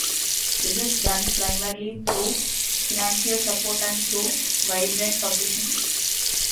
This is done primarily through financial support and through vibrant publishing.